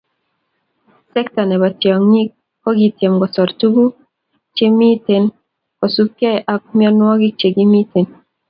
Sekta nebo tyongíik kokityem kosor tuguuk chemikimitei kosupgei ako mionwogiik chekimitei.